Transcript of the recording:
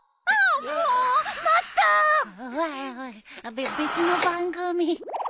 べ別の番組。